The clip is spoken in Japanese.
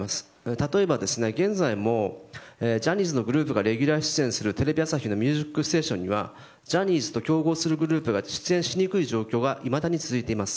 例えば、現在もジャニーズのグループがレギュラー出演するテレビ朝日の「ミュージックステーション」がジャニーズと競合するグループが出演しにくい状況がいまだに続いています。